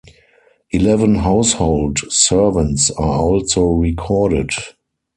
Eleven household servants are also recorded.